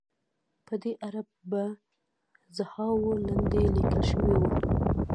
په دې اړه به زرهاوو لنډۍ لیکل شوې وي.